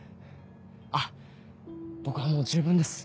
「あっ僕はもう十分です」。